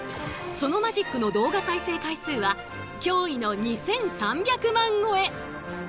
そのマジックの動画再生回数は驚異の２，３００万超え！